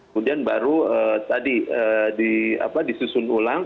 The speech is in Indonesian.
kemudian baru ee tadi ee di apa disusun ulang